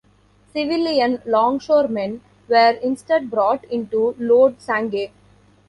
Civilian longshoremen were instead brought in to load "Sangay".